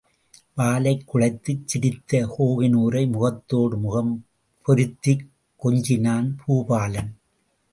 வாலைக் குழைத்துச் சிரித்த கோஹினூரை முகத்தோடு முகம் பொருத்திக் கொஞ்சினான் பூபாலன்.